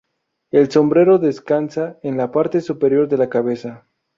El sombrero descansa en la parte superior de la cabeza.